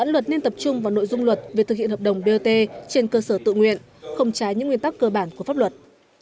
luật về thực hiện hợp đồng bot trên cơ sở tự nguyện không trái những nguyên tắc cơ bản của pháp luật